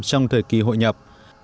trong thời kỳ hội nhập